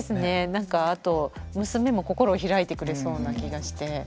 なんかあと娘も心を開いてくれそうな気がして。